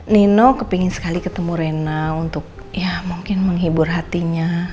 nino kepingin sekali ketemu rena untuk ya mungkin menghibur hatinya